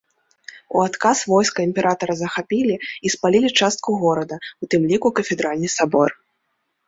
У адказ войска імператара захапілі і спалілі частку горада, у тым ліку кафедральны сабор.